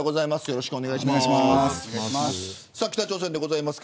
よろしくお願いします。